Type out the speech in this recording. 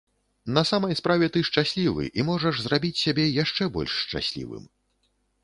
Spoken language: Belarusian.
На самай справе ты шчаслівы і можаш зрабіць сябе яшчэ больш шчаслівым.